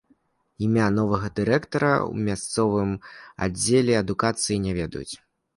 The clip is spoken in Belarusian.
Імя новага дырэктара ў мясцовым аддзеле адукацыі не ведаюць.